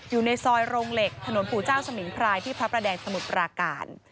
อยู่ในซอยโรงเหล็กถนนปู่เจ้าสมิงพรายที่พระประแดงสมุทรปราการ